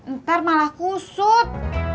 ntar malah kusut